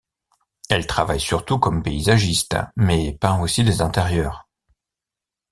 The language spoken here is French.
Elle travaille surtout comme paysagiste, mais peint aussi des intérieurs.